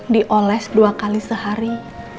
dioles dua kali sehari